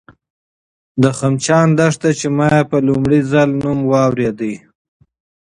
د خمچان دښته، چې ما یې په لومړي ځل نوم اورېدی دی